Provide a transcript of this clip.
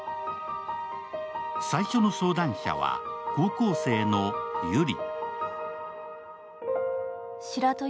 最初の相談者は高校生のゆり。